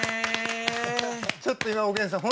ちょっと今おげんさん